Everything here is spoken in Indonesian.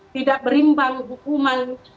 tidak berimbang hukuman